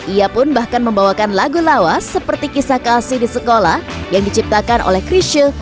ia pun bahkan membawakan lagu lawas seperti kisah kasih di sekolah yang diciptakan oleh krisha